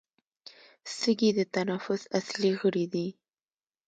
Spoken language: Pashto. سږي د تنفس اصلي غړي دي